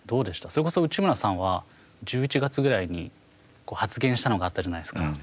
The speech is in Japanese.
それこそ内村さんは１１月ぐらいに発言したのがあったじゃないですか。